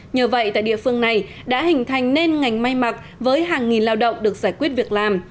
nhờ vậy tại địa phương này đã hình thành nên ngành may mặc với hàng nghìn lao động được giải quyết việc làm